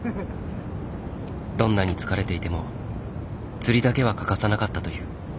どんなに疲れていても釣りだけは欠かさなかったという。